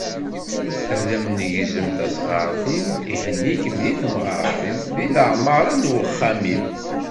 Ad am-negzem tasɣart-im, ihenni-kem deg temɣart-im, s leɛmara n uxxam-im.